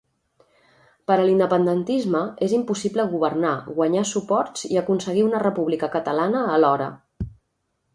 Per a l'independentisme, és impossible governar, guanyar suports i aconseguir una República catalana alhora.